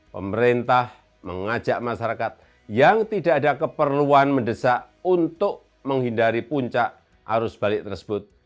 pemerintah mengajak masyarakat yang tidak ada keperluan mendesak untuk menghindari puncak arus balik tersebut